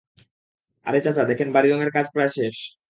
আরে চাচা, দেখেন বাড়ী রঙের কাজ প্রায় শেষ।